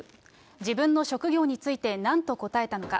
自分の職業についてなんと答えたのか。